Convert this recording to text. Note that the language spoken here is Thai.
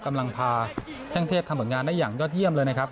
กำลังพาแข้งเทพทำผลงานได้อย่างยอดเยี่ยมเลยนะครับ